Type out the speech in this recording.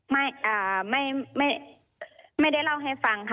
ไม่ได้เล่าให้ฟังค่ะ